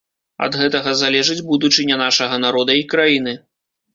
Ад гэтага залежыць будучыня нашага народа і краіны.